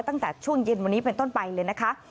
ตั้งแต่ช่วงเย็นวันนี้เป็นต้นไปเลยนะคะ